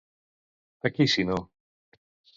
A qui si no?